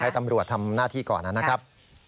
ตำรวจทำหน้าที่ก่อนนะครับ